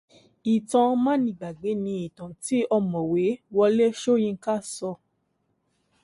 Ìtàn mánigbàgbé ni ìtàn tí ọ̀mọ̀wé Wọlé Ṣóyinká sọ.